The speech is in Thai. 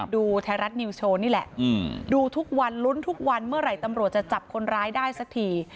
ดูไทยรัฐนิวโชว์นี่แหละดูทุกวันลุ้นทุกวันเมื่อไหร่ตำรวจจะจับคนร้ายได้สักที